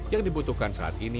yang dibutuhkan saat ini